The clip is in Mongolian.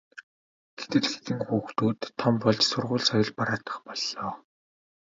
гэтэл хэдэн хүүхдүүд том болж сургууль соёл бараадах боллоо.